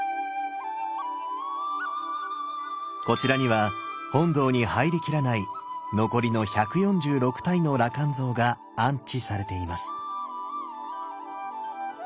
こちらには本堂に入りきらない残りの１４６体の羅漢像が安置されています。